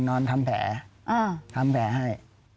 นอนทำแผลให้